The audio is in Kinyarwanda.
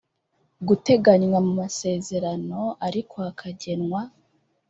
guteganywa mu masezerano ariko hakagenwa